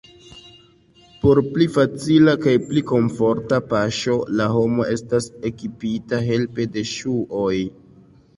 Por pli facila kaj pli komforta paŝo la homo estas ekipita helpe de ŝuoj.